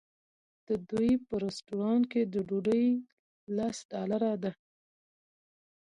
د دوی په رسټورانټ کې ډوډۍ لس ډالره ده.